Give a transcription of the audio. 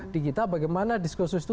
di kita bagaimana diskursus itu